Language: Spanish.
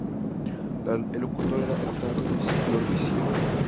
El locutor era, por tanto, el visitador oficial.